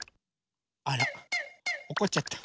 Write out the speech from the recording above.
あらおこっちゃった。